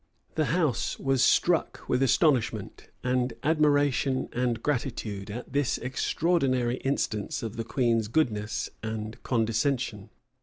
[] The house was struck with astonishment, and admiration and gratitude, at this extraordinary instance of the queen's goodness and condescension.